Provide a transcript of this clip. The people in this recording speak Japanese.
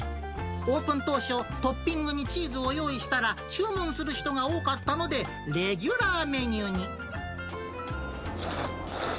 オープン当初、トッピングにチーズを用意したら、注文する人が多かったので、レギュラーメニューに。